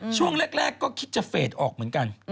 ช่วงแรกก็คิดจะเฟสออกเหมือนกัน